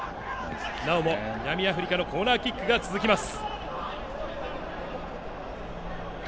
なおも南アフリカのコーナーキックが続きます。